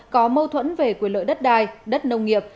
có mâu thuẫn về quyền lợi đất đai đất nông nghiệp